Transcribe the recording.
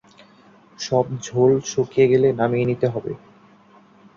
সব ঝোল শুকিয়ে গেলে নামিয়ে নিতে হবে।